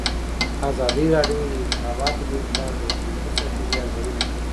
ازادي راډیو د د انتخاباتو بهیر په اړه د حکومتي ستراتیژۍ ارزونه کړې.